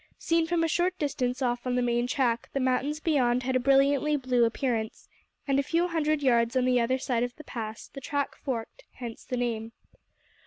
Seen from a short distance off on the main track the mountains beyond had a brilliantly blue appearance, and a few hundred yards on the other side of the pass the track forked hence the name.